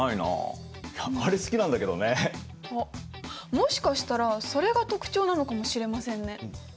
もしかしたらそれが特徴なのかもしれませんね。